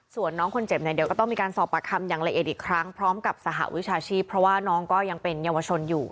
ส่วนน้องคนเจ็บเนี่ยเดี๋ยวก็ต้องมีการสอบปากคำอย่างละเอียดอีกครั้งพร้อมกับสหวิชาชีพเพราะว่าน้องก็ยังเป็นเยาวชนอยู่